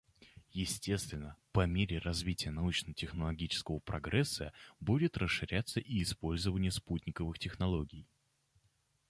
Естественно, по мере развития научно-технологического прогресса будет расширяться и использование спутниковых технологий.